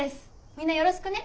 みんなよろしくね。